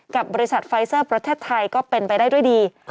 กับบริษัทไฟเซอร์ประเทศไทยก็เป็นไปได้ด้วยดี